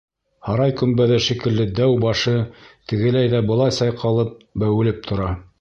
Һарай көмбәҙе шикелле дәү башы тегеләй ҙә былай сайҡалып, бәүелеп тора.